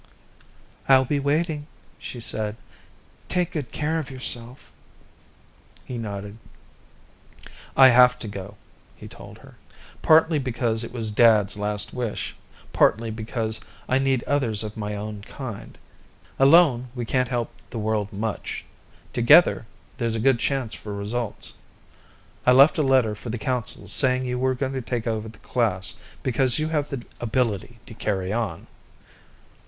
"I'll be waiting," she said. "Take care of yourself." He nodded. "I have to go," he told her. "Partly because it was Dad's last wish, partly because I need others of my own kind. Alone, we can't help the world much; together, there's a good chance for results. I left a letter for the council saying you were going to take over the class, because you have the ability to carry on.